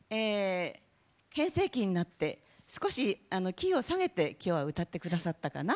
変声期になって少しキーを下げてきょうは歌ってくださったかな。